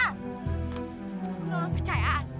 aku nolong kepercayaan